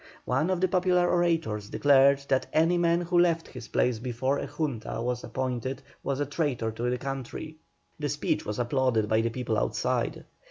One of the popular orators declared that any man who left his place before a Junta was appointed, was a traitor to his country. The speech was applauded by the people outside.